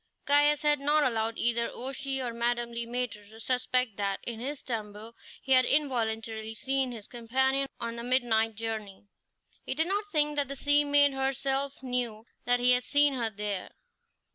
Caius had not allowed either O'Shea or Madame Le Maître to suspect that in his stumble he had involuntarily seen his companion on the midnight journey. He did not think that the sea maid herself knew that he had seen her there.